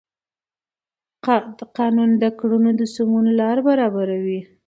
قانون د کړنو د سمون لار برابروي.